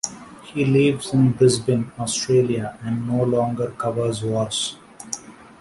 He lives in Brisbane, Australia and no longer covers wars.